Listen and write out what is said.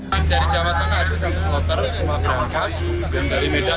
pemudik pemudik yang berangkat dari jawa tengah dan dari medan